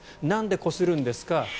なんで、こするんですか。